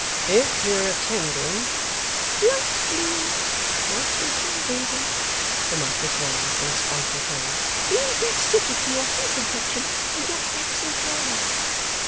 'If you're attending ' ['Light blue, my sweet young lady,' remarked Miss Wren, in a sprightly tone, 'being best suited to your fair complexion and your flaxen curls.